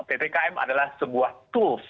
ppkm adalah sebuah tools